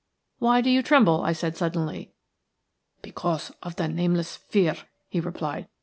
"Why do you tremble?" I said, suddenly. "Because of the nameless fear," he replied.